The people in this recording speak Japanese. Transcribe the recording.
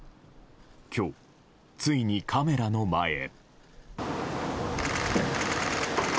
今日、ついにカメラの前へ。